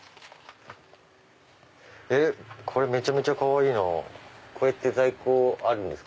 これめちゃめちゃかわいいなこれって在庫あるんですか？